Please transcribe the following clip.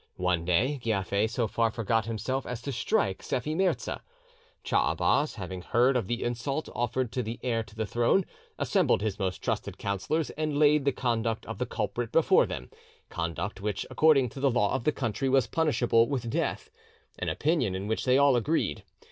One day Giafer so far forgot himself as to strike Sephi Mirza. Cha Abas having heard of the insult offered to the heir to the throne, assembled his most trusted councillors, and laid the conduct of the culprit before them—conduct which, according to the law of the country, was punishable with death, an opinion in which they all agreed.